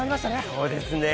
そうですね。